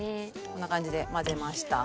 こんな感じで混ぜました。